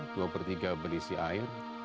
dua pertiga berisi air